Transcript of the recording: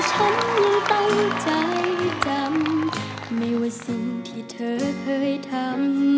ฉันตั้งใจจำไม่ว่าสิ่งที่เธอเคยทำ